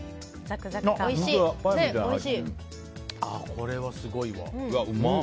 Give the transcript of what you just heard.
これはすごいわ。